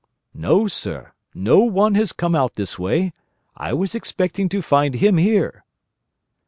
"No, sir. No one has come out this way. I was expecting to find him here."